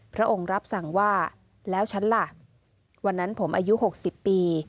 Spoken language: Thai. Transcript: พระองค์รับสั่งว่าแล้วฉันล่ะวันนั้นผมอายุ๖๐ปี